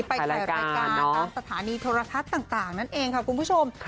ไปถ่ายรายการตามสถานีโทรทัศน์ต่างนั่นเองค่ะคุณผู้ชม